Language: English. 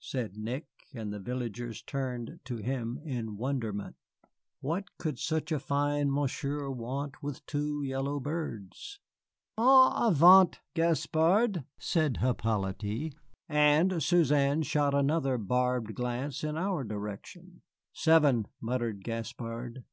said Nick, and the villagers turned to him in wonderment. What could such a fine Monsieur want with two yellow birds? "En avant, Gaspard," said Hippolyte, and Suzanne shot another barbed glance in our direction. "Seven," muttered Gaspard.